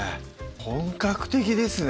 本格的ですね